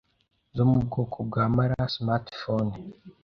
zo mu bwoko bwa ‘Mara smartphones